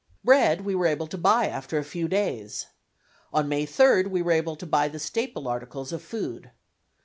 Bread we were able to buy after a few days. On May 3d we were able to buy the staple articles of food.